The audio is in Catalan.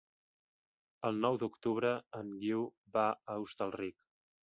El nou d'octubre en Guiu va a Hostalric.